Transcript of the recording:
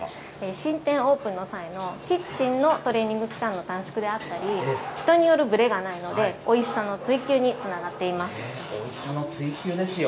新店オープンの際のキッチンのトレーニング期間の短縮であったり、人によるぶれがないので、おいしさの追求につながっていまおいしさの追求ですよ。